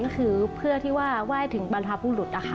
ก็คือเพื่อที่ว่าไหว้ถึงบรรพบุรุษนะคะ